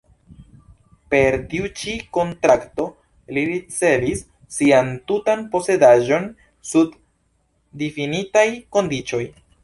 Per tiu ĉi kontrakto li ricevis sian tutan posedaĵon sub difinitaj kondiĉoj.